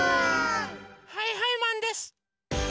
はいはいマンです！